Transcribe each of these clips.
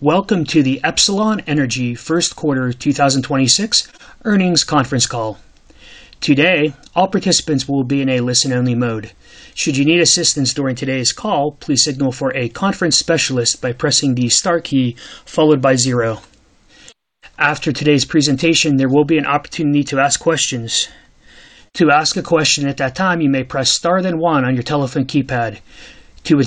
Welcome to the Epsilon Energy First Quarter 2026 earnings conference call. Today, all participants will be in a listen-only mode. After today's presentation, there will be an opportunity to ask questions. Please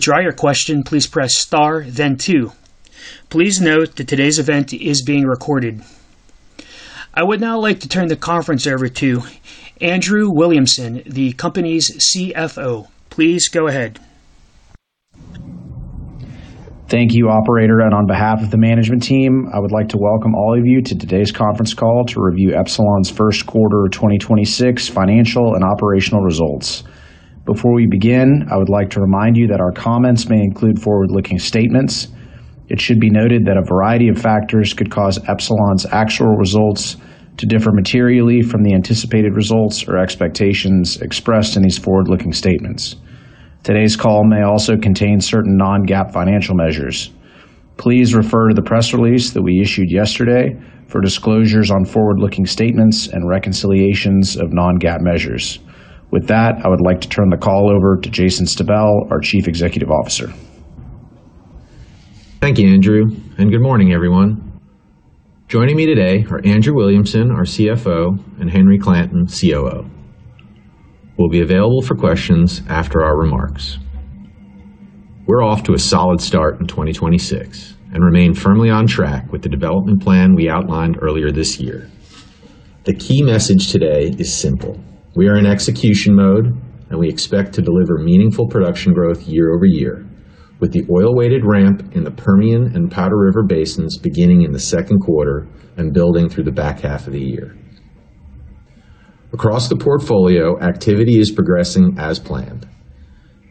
note that today's event is being recorded. I would now like to turn the conference over to Andrew Williamson, the company's CFO. Please go ahead. Thank you, operator. On behalf of the management team, I would like to welcome all of you to today's conference call to review Epsilon's 1st quarter of 2026 financial and operational results. Before we begin, I would like to remind you that our comments may include forward-looking statements. It should be noted that a variety of factors could cause Epsilon's actual results to differ materially from the anticipated results or expectations expressed in these forward-looking statements. Today's call may also contain certain non-GAAP financial measures. Please refer to the press release that we issued yesterday for disclosures on forward-looking statements and reconciliations of non-GAAP measures. With that, I would like to turn the call over to Jason Stabell, our Chief Executive Officer. Thank you, Andrew. Good morning, everyone. Joining me today are Andrew Williamson, our CFO, and Henry Clanton, COO. We'll be available for questions after our remarks. We're off to a solid start in 2026 and remain firmly on track with the development plan we outlined earlier this year. The key message today is simple: We are in execution mode, and we expect to deliver meaningful production growth year-over-year, with the oil-weighted ramp in the Permian and Powder River basins beginning in the second quarter and building through the back half of the year. Across the portfolio, activity is progressing as planned.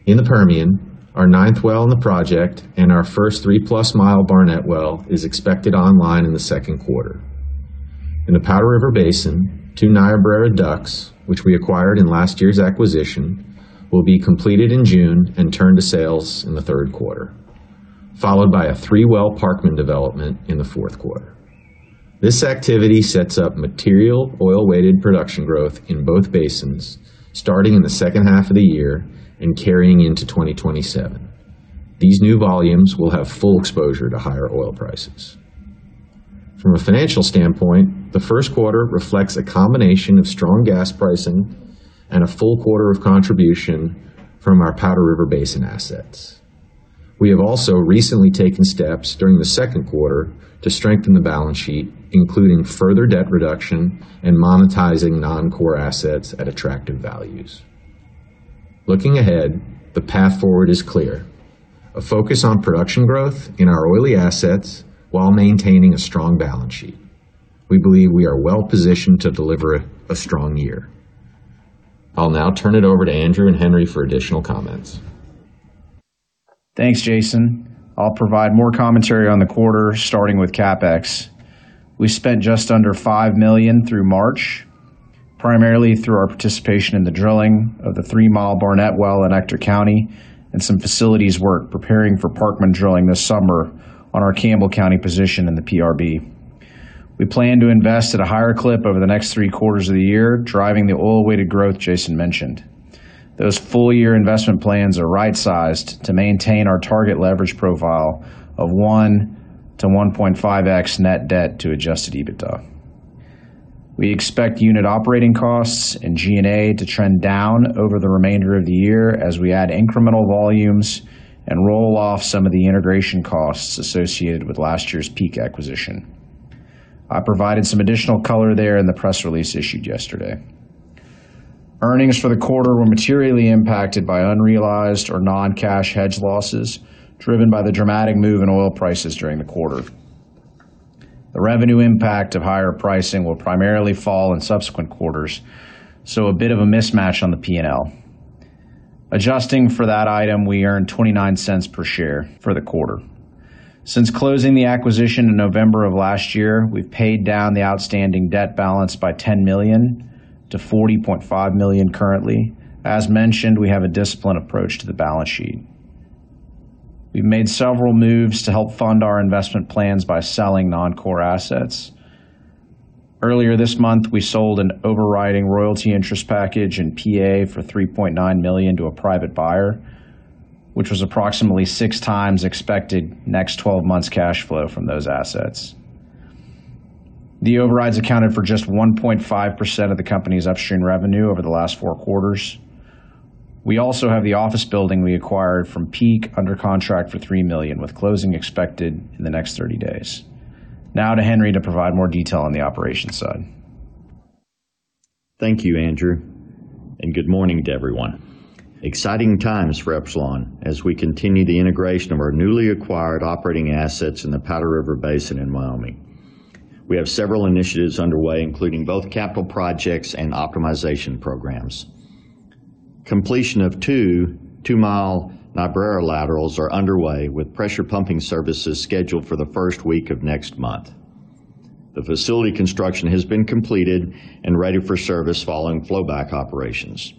In the Permian, our ninth well in the project and our first 3-plus mile Barnett well is expected online in the second quarter. In the Powder River Basin, 2 Niobrara DUCs, which we acquired in last year's acquisition, will be completed in June and turn to sales in the third quarter, followed by a 3-well Parkman development in the fourth quarter. This activity sets up material oil-weighted production growth in both basins, starting in the second half of the year and carrying into 2027. These new volumes will have full exposure to higher oil prices. From a financial standpoint, the first quarter reflects a combination of strong gas pricing and a full quarter of contribution from our Powder River Basin assets. We have also recently taken steps during the second quarter to strengthen the balance sheet, including further debt reduction and monetizing non-core assets at attractive values. Looking ahead, the path forward is clear. A focus on production growth in our oily assets while maintaining a strong balance sheet. We believe we are well-positioned to deliver a strong year. I'll now turn it over to Andrew and Henry for additional comments. Thanks, Jason. I'll provide more commentary on the quarter, starting with CapEx. We spent just under $5 million through March, primarily through our participation in the drilling of the 3-mile Barnett Well in Ector County and some facilities work preparing for Parkman drilling this summer on our Campbell County position in the PRB. We plan to invest at a higher clip over the next 3 quarters of the year, driving the oil-weighted growth Jason mentioned. Those full-year investment plans are right-sized to maintain our target leverage profile of 1x-1.5x net debt to adjusted EBITDA. We expect unit operating costs and G&A to trend down over the remainder of the year as we add incremental volumes and roll off some of the integration costs associated with last year's Peak acquisition. I provided some additional color there in the press release issued yesterday. Earnings for the quarter were materially impacted by unrealized or non-cash hedge losses, driven by the dramatic move in oil prices during the quarter. The revenue impact of higher pricing will primarily fall in subsequent quarters, a bit of a mismatch on the P&L. Adjusting for that item, we earned $0.29 per share for the quarter. Since closing the acquisition in November of last year, we've paid down the outstanding debt balance by $10 million-$40.5 million currently. As mentioned, we have a disciplined approach to the balance sheet. We've made several moves to help fund our investment plans by selling non-core assets. Earlier this month, we sold an overriding royalty interest package in PA for $3.9 million to a private buyer, which was approximately 6 times expected next 12 months cash flow from those assets. The overrides accounted for just 1.5% of the company's upstream revenue over the last four quarters. We also have the office building we acquired from Peak under contract for $3 million, with closing expected in the next 30 days. Now to Henry to provide more detail on the operations side. Thank you, Andrew, and good morning to everyone. Exciting times for Epsilon as we continue the integration of our newly acquired operating assets in the Powder River Basin in Wyoming. We have several initiatives underway, including both capital projects and optimization programs. Completion of two 2-mile Niobrara laterals are underway, with pressure pumping services scheduled for the first week of next month. The facility construction has been completed and ready for service following flow back operations.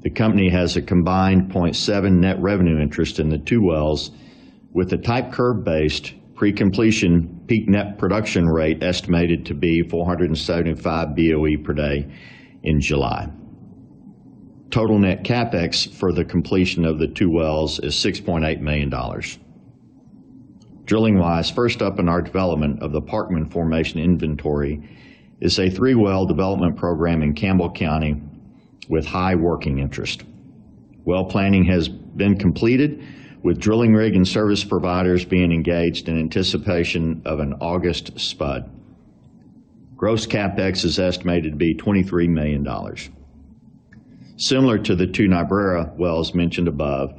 The company has a combined 0.7 net revenue interest in the two wells with a type curve-based pre-completion peak net production rate estimated to be 475 BOE per day in July. Total net CapEx for the completion of the two wells is $6.8 million. Drilling-wise, first up in our development of the Parkman formation inventory is a three-well development program in Campbell County with high working interest. Well planning has been completed with drilling rig and service providers being engaged in anticipation of an August spud. Gross CapEx is estimated to be $23 million. Similar to the 2 Niobrara wells mentioned above,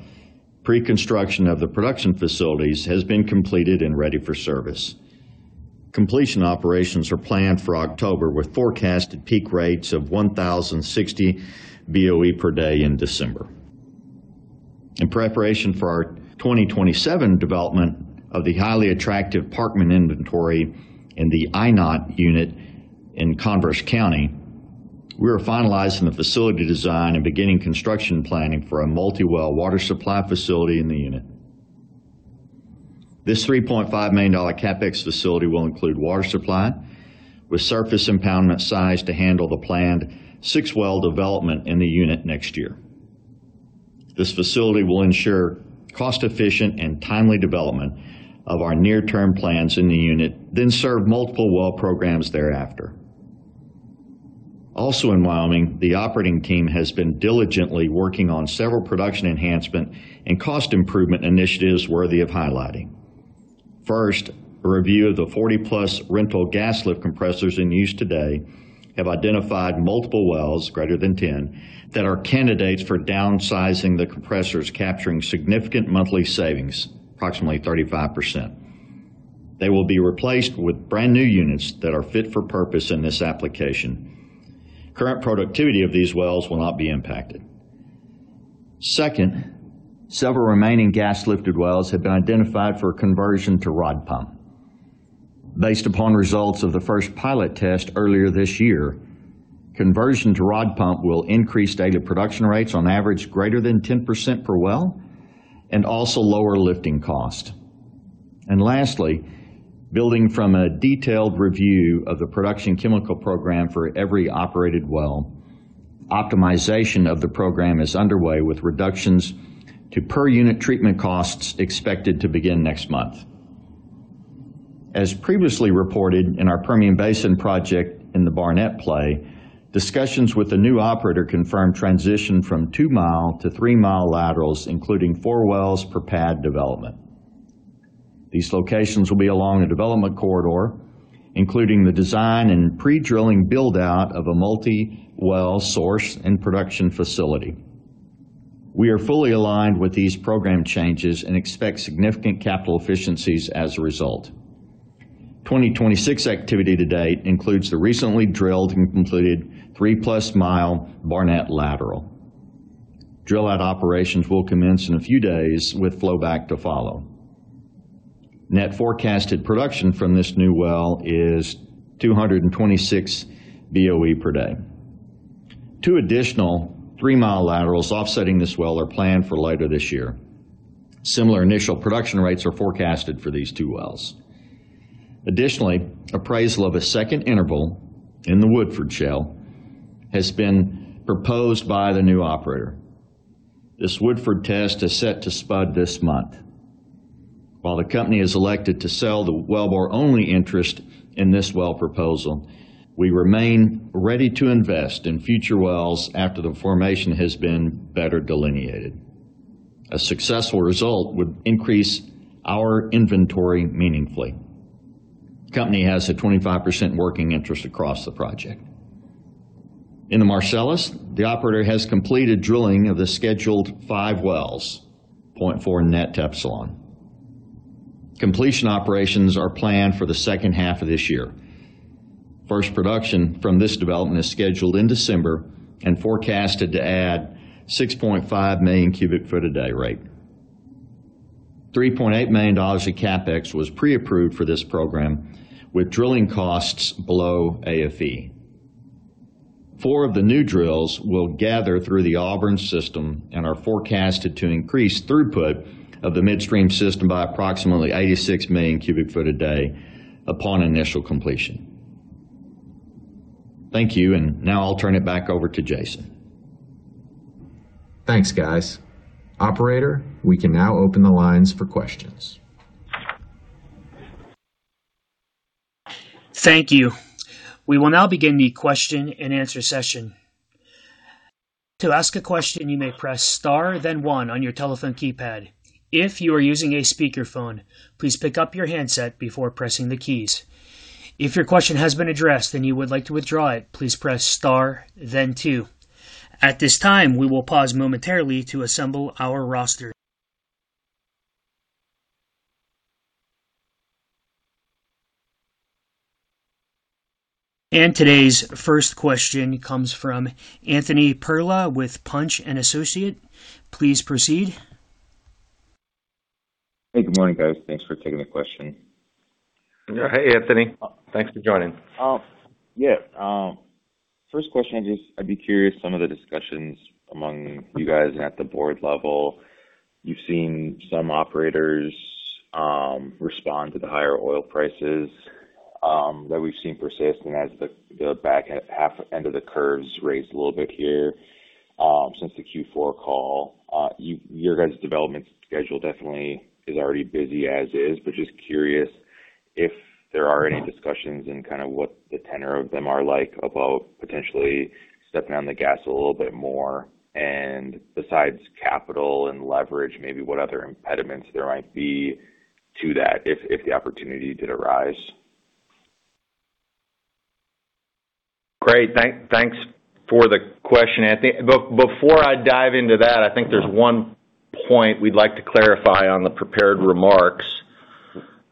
pre-construction of the production facilities has been completed and ready for service. Completion operations are planned for October, with forecasted peak rates of 1,060 BOE per day in December. In preparation for our 2027 development of the highly attractive Parkman inventory in the Einot unit in Converse County, we are finalizing the facility design and beginning construction planning for a multi-well water supply facility in the unit. This $3.5 million CapEx facility will include water supply with surface impoundment size to handle the planned 6 well development in the unit next year. This facility will ensure cost-efficient and timely development of our near-term plans in the unit, then serve multiple well programs thereafter. Also in Wyoming, the operating team has been diligently working on several production enhancement and cost improvement initiatives worthy of highlighting. First, a review of the 40-plus rental gas lift compressors in use today have identified multiple wells greater than 10 that are candidates for downsizing the compressors, capturing significant monthly savings, approximately 35%. They will be replaced with brand new units that are fit for purpose in this application. Current productivity of these wells will not be impacted. Second, several remaining gas lifted wells have been identified for conversion to rod pump. Based upon results of the first pilot test earlier this year, conversion to rod pump will increase daily production rates on average greater than 10% per well and also lower lifting cost. Lastly, building from a detailed review of the production chemical program for every operated well, optimization of the program is underway with reductions to per unit treatment costs expected to begin next month. As previously reported in our Permian Basin project in the Barnett play, discussions with the new operator confirmed transition from 2-mile to 3-mile laterals, including 4 wells per pad development. These locations will be along a development corridor, including the design and pre-drilling build-out of a multi-well source and production facility. We are fully aligned with these program changes and expect significant capital efficiencies as a result. 2026 activity to date includes the recently drilled and concluded 3-plus mile Barnett lateral. Drill out operations will commence in a few days with flow back to follow. Net forecasted production from this new well is 226 BOE per day. Two additional 3-mile laterals offsetting this well are planned for later this year. Similar initial production rates are forecasted for these two wells. Additionally, appraisal of a second interval in the Woodford Shale has been proposed by the new operator. This Woodford test is set to spud this month. While the company has elected to sell the well bore only interest in this well proposal, we remain ready to invest in future wells after the formation has been better delineated. A successful result would increase our inventory meaningfully. Company has a 25% working interest across the project. In the Marcellus, the operator has completed drilling of the scheduled five wells, 0.4 net to Epsilon. Completion operations are planned for the second half of this year. First production from this development is scheduled in December and forecasted to add 6.5 million cubic foot a day rate. $3.8 million in CapEx was pre-approved for this program with drilling costs below AFE. 4 of the new drills will gather through the Auburn system and are forecasted to increase throughput of the midstream system by approximately 86 million cubic foot a day upon initial completion. Thank you. Now I'll turn it back over to Jason. Thanks, guys. Operator, we can now open the lines for questions. Thank you. We will now begin the question and answer session. Today's first question comes from Anthony Perala with Punch & Associates. Please proceed. Hey, good morning, guys. Thanks for taking the question. Hey, Anthony. Thanks for joining. Yeah. First question, just I'd be curious, some of the discussions among you guys at the board level. You've seen some operators respond to the higher oil prices that we've seen persist and as the back half end of the curves raised a little bit here since the Q4 call. Your guys' development schedule definitely is already busy as is, but just curious if there are any discussions and kinda what the tenor of them are like about potentially stepping on the gas a little bit more. Besides capital and leverage, maybe what other impediments there might be to that if the opportunity did arise. Great. Thanks for the question, Anthony. Before I dive into that, I think there's one point we'd like to clarify on the prepared remarks,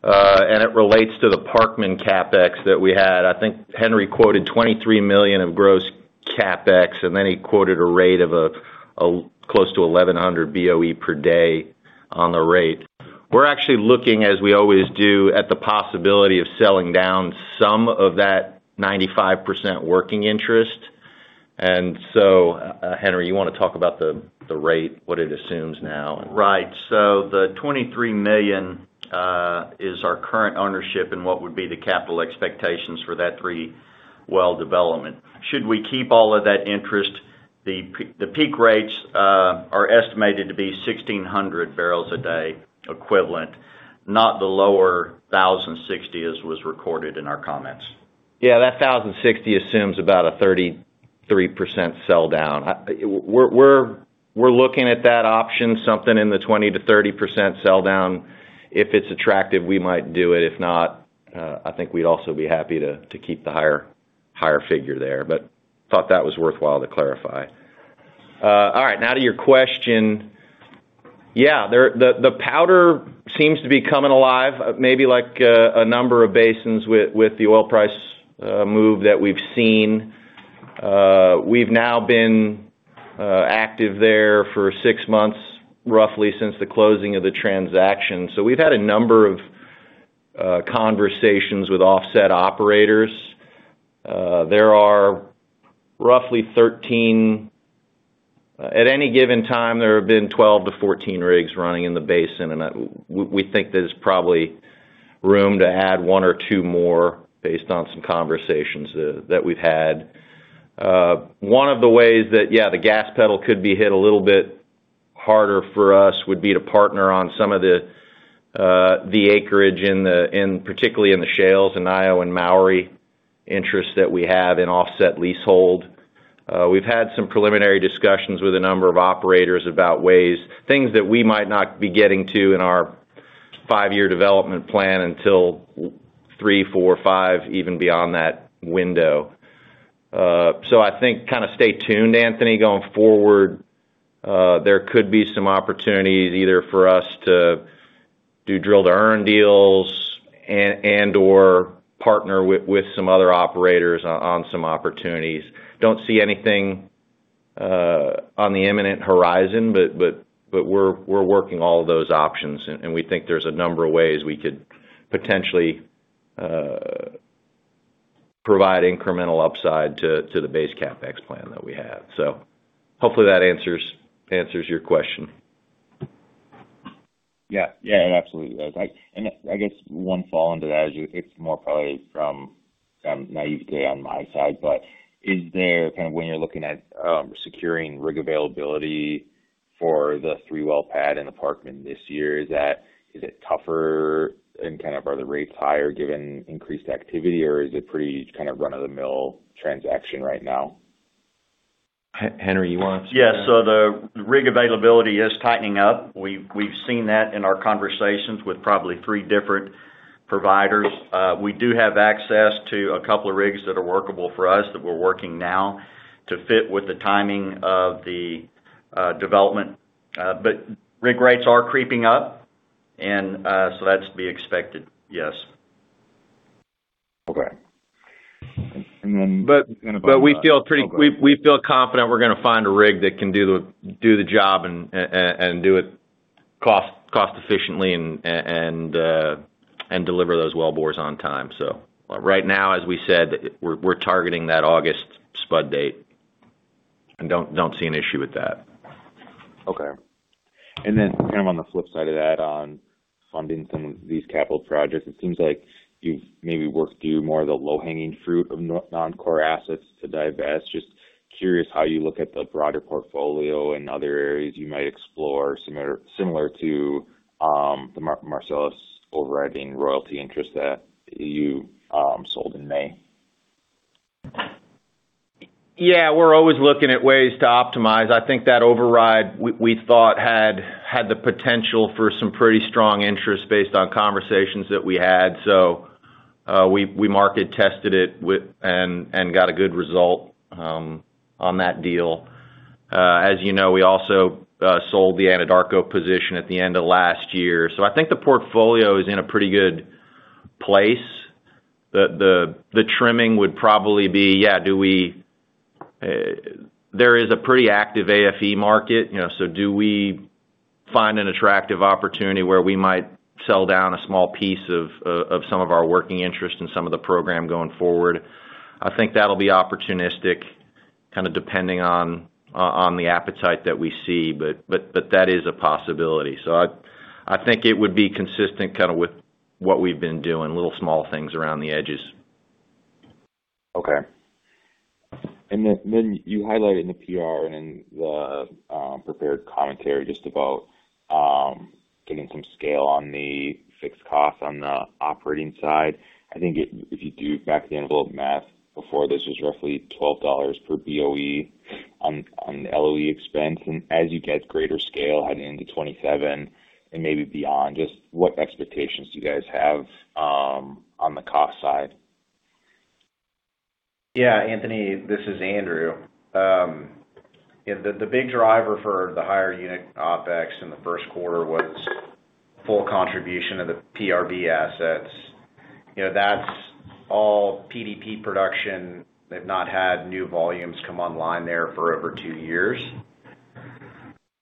and it relates to the Parkman CapEx that we had. I think Henry quoted $23 million of gross CapEx, and then he quoted a rate of, close to 1,100 BOE per day on the rate. We're actually looking, as we always do, at the possibility of selling down some of that 95% working interest. Henry, you wanna talk about the rate, what it assumes now and. The $23 million is our current ownership in what would be the capital expectations for that three well development. Should we keep all of that interest? The Peak rates are estimated to be 1,600 barrels a day equivalent, not the lower 1,060 as was recorded in our comments. Yeah, that $1,060 assumes about a 33% sell down. We're looking at that option, something in the 20%-30% sell down. If it's attractive, we might do it. If not, I think we'd also be happy to keep the higher figure there. Thought that was worthwhile to clarify. All right, now to your question. Yeah, there the Powder seems to be coming alive, maybe like a number of basins with the oil price move that we've seen. We've now been active there for 6 months, roughly since the closing of the transaction. We've had a number of conversations with offset operators. There are roughly 13 At any given time, there have been 12-14 rigs running in the basin, and we think there's probably room to add 1 or 2 more based on some conversations that we've had. One of the ways that, yeah, the gas pedal could be hit a little bit harder for us would be to partner on some of the acreage in particularly in the shales, in IO and ORRI interests that we have in offset leasehold. We've had some preliminary discussions with a number of operators about ways, things that we might not be getting to in our 5-year development plan until 3, 4, 5, even beyond that window. I think kinda stay tuned, Anthony, going forward. There could be some opportunities either for us to do drill to earn deals and/or partner with some other operators on some opportunities. Don't see anything on the imminent horizon, but we're working all of those options, and we think there's a number of ways we could potentially provide incremental upside to the base CapEx plan that we have. Hopefully that answers your question. Yeah. Yeah, it absolutely does. I guess one follow into that, it's more probably from naivete on my side, but is there, kind of, when you're looking at securing rig availability for the 3-well pad in the Parkman this year, is it tougher and kind of are the rates higher given increased activity, or is it pretty kind of run-of-the-mill transaction right now? Henry, you wanna. Yeah. The rig availability is tightening up. We've seen that in our conversations with probably three different providers. We do have access to a couple of rigs that are workable for us, that we're working now to fit with the timing of the development. Rig rates are creeping up, and that's to be expected. Yes. Okay. But, but we feel pretty- Okay. We feel confident we're gonna find a rig that can do the job and do it cost efficiently and deliver those wellbores on time. Right now, as we said, we're targeting that August spud date, and don't see an issue with that. Okay. On the flip side of that, on funding some of these capital projects, it seems like you've maybe worked through more of the low-hanging fruit of non-core assets to divest. Just curious how you look at the broader portfolio and other areas you might explore similar to the Marcellus overriding royalty interest that you sold in May. Yeah, we're always looking at ways to optimize. I think that override, we thought had the potential for some pretty strong interest based on conversations that we had. We market tested it with and got a good result on that deal. As you know, we also sold the Anadarko position at the end of last year. I think the portfolio is in a pretty good place. The trimming would probably be, yeah, there is a pretty active AFE market, you know, so do we find an attractive opportunity where we might sell down a small piece of some of our working interest in some of the program going forward? I think that'll be opportunistic, kind of depending on the appetite that we see, but that is a possibility. I think it would be consistent kind of with what we've been doing, little small things around the edges. Okay. Then you highlighted in the PR and in the prepared commentary just about getting some scale on the fixed costs on the operating side. I think if you do back the envelope math before this was roughly $12 per BOE on the LOE expense. As you get greater scale heading into 2027 and maybe beyond, just what expectations do you guys have on the cost side? Yeah, Anthony, this is Andrew. Yeah, the big driver for the higher unit OpEx in the first quarter was full contribution of the PRB assets. You know, that's all PDP production. They've not had new volumes come online there for over two years.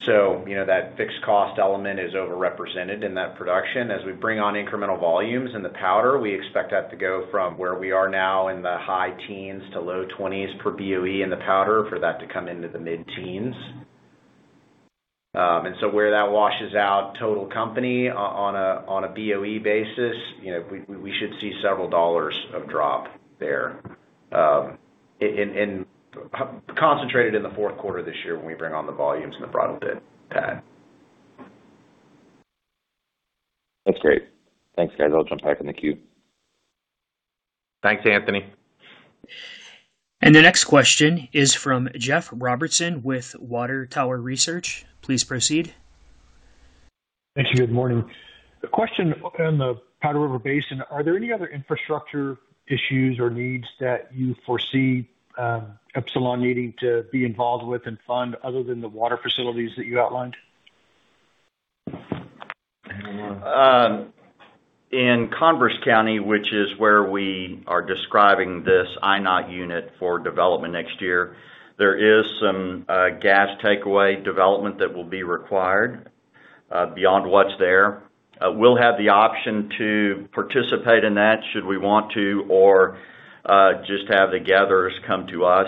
You know, that fixed cost element is overrepresented in that production. As we bring on incremental volumes in the Powder, we expect that to go from where we are now in the high 10s to low 20s per BOE in the Powder for that to come into the mid-10s. Where that washes out total company on a, on a BOE basis, you know, we should see several dollars of drop there. Concentrated in the fourth quarter this year when we bring on the volumes in the Frontal Pit. That's great. Thanks, guys. I'll jump back in the queue. Thanks, Anthony. The next question is from Jeff Robertson with Water Tower Research. Please proceed. Thank you. Good morning. A question on the Powder River Basin. Are there any other infrastructure issues or needs that you foresee Epsilon needing to be involved with and fund other than the water facilities that you outlined? In Converse County, which is where we are describing this Einot unit for development next year, there is some gas takeaway development that will be required beyond what's there. We'll have the option to participate in that should we want to or just have the gatherers come to us.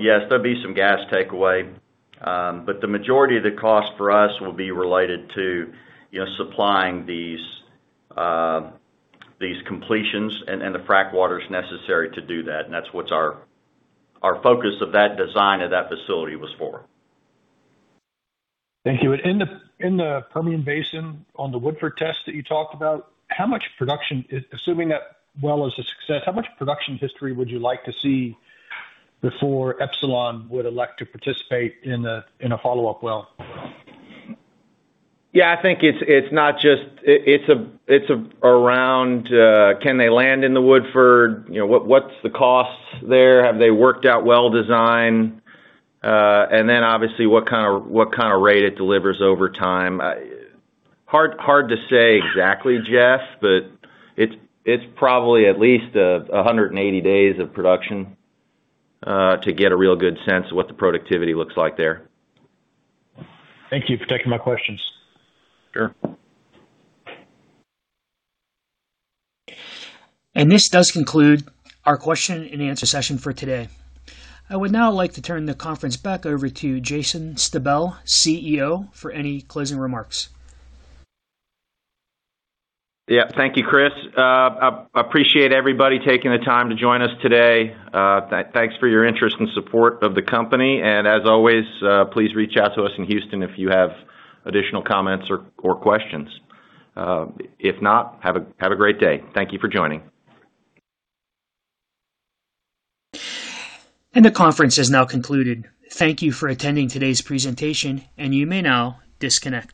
Yes, there'll be some gas takeaway, but the majority of the cost for us will be related to, you know, supplying these completions and the frack waters necessary to do that. That's what our focus of that design of that facility was for. Thank you. In the Permian Basin on the Woodford test that you talked about, assuming that well is a success, how much production history would you like to see before Epsilon would elect to participate in a follow-up well? Yeah, I think it's not just it's around, can they land in the Woodford? You know, what's the costs there? Have they worked out well design? Then obviously, what kind of rate it delivers over time. Hard to say exactly, Jeff, it's probably at least 180 days of production to get a real good sense of what the productivity looks like there. Thank you for taking my questions. Sure. This does conclude our question and answer session for today. I would now like to turn the conference back over to Jason Stabell, CEO, for any closing remarks. Yeah. Thank you, Chris. Appreciate everybody taking the time to join us today. Thanks for your interest and support of the company. As always, please reach out to us in Houston if you have additional comments or questions. If not, have a great day. Thank you for joining. The conference has now concluded. Thank you for attending today's presentation, and you may now disconnect.